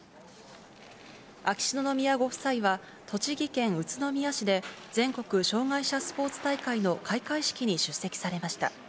秋篠宮ご夫妻は、栃木県宇都宮市で、全国障害者スポーツ大会の開会式に出席されました。